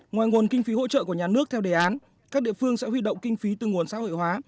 ngoài nguồn kinh phí hỗ trợ của nhà nước theo đề án các địa phương sẽ huy động kinh phí từ nguồn xã hội hóa